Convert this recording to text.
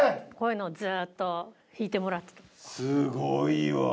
すごいわ。